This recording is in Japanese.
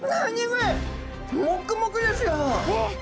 もくもくですよ。